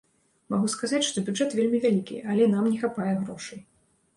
Магу сказаць, што бюджэт вельмі вялікі, але нам не хапае грошай.